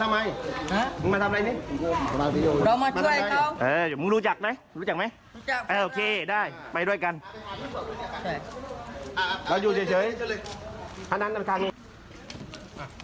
มึงรู้จักมั้ย